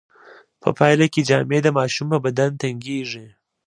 په پایله کې جامې د ماشوم په بدن تنګیږي.